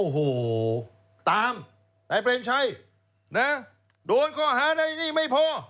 โหตามแต่เปรมชัยโดนก็หาได้นี่ไม่พอ